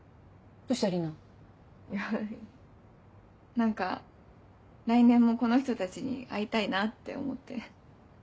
何か来年もこの人たちに会いたいなって思って。